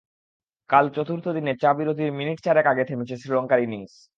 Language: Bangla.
কাল চতুর্থ দিনে চা বিরতির মিনিট চারেক আগে থেমেছে শ্রীলঙ্কার ইনিংস।